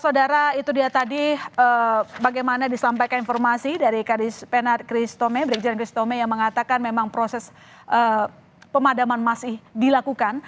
saudara itu dia tadi bagaimana disampaikan informasi dari kadis penat kristome brigjen kristome yang mengatakan memang proses pemadaman masih dilakukan